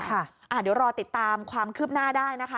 เดี๋ยวรอติดตามความคืบหน้าได้นะคะ